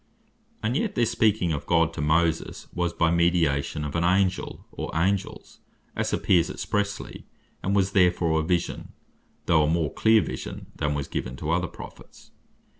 And yet this speaking of God to Moses, was by mediation of an Angel, or Angels, as appears expressely, Acts 7. ver. 35. and 53. and Gal. 3. 19. and was therefore a Vision, though a more cleer Vision than was given to other Prophets.